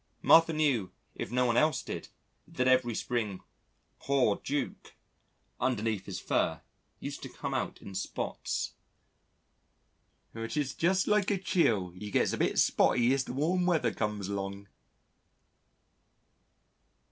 Martha knew if no one else did that every spring "Pore 'Duke," underneath his fur, used to come out in spots. "'Tiz jus' like a cheel 'e gets a bit spotty as the warm weather cums along."